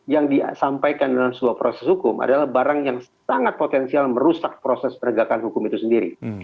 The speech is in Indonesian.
yang disampaikan dalam sebuah proses hukum adalah barang yang sangat potensial merusak proses penegakan hukum itu sendiri